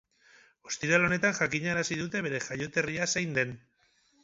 Ostiral honetan jakinarazi dute bere jaioterria zein den.